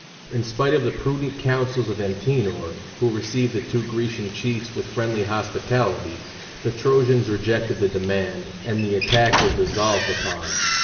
In spite of the prudent counsels of Antenor, who received the two Grecian chiefs with friendly hospitality, the Trojans rejected the demand, and the attack was resolved upon.